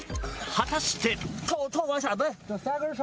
果たして。